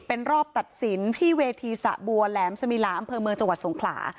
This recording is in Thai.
เป็นรอบตัดสินที่เวทีสะบัวแหลมสมิลาอำเภอเมืองจังหวัดสงขลา